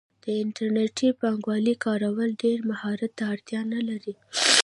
د انټرنیټي بانکوالۍ کارول ډیر مهارت ته اړتیا نه لري.